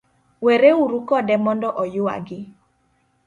were uru kode mondo oyuagi